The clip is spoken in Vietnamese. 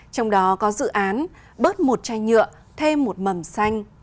trong đó có dự án bớt một chai nhựa thêm một mầm xanh